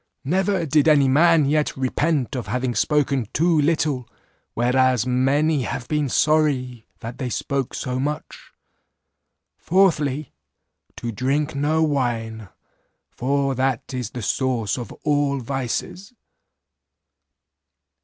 Never did any man yet repent of having spoken too little, whereas many have been sorry that they spoke so much. "Fourthly, To drink no wine, for that is the source of all vices.